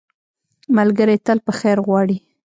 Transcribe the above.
ملګری تل په خیر غواړي